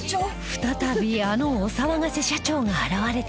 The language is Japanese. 再びあのお騒がせ社長が現れた